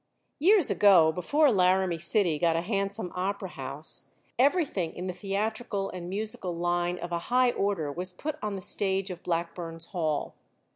Years ago, before Laramie City got a handsome opera house, everything in the theatrical and musical line of a high order was put on the stage of Blackburn's Hall.